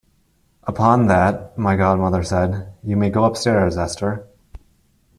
Upon that, my godmother said, "You may go upstairs, Esther!"